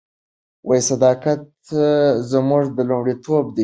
صداقت زموږ لومړیتوب دی.